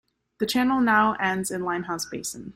The channel now ends in Limehouse Basin.